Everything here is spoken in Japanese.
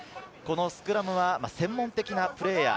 スクラムは専門的なプレーヤー。